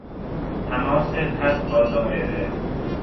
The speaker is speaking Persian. تماس خط با دائره